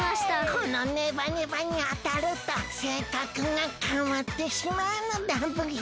このネバネバにあたるとせいかくがかわってしまうのだブヒ！